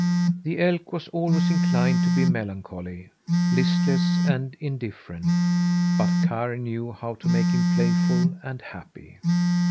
The elk was always inclined to be melancholy, listless, and, indifferent, but Karr knew how to make him playful and happy.